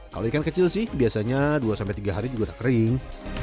kalau ikan kecil sih biasanya dua tiga hari juga udah kering